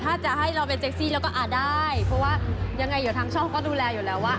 ถ้าจะให้เราเป็นเซ็กซี่เราก็อ่าได้เพราะว่ายังไงเดี๋ยวทางช่องก็ดูแลอยู่แล้วว่า